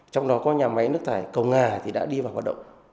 trong đó có nhà máy nước thải cầu nga đã đi vào hoạt động